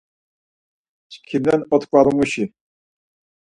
Çkimden otkvalumuşi.